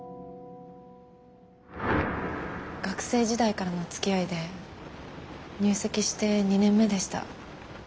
学生時代からのつきあいで入籍して２年目でした。